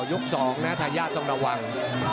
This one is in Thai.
ยก๒นะทายาทต้องระวัง